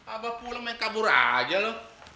abah pulang main kabur aja lu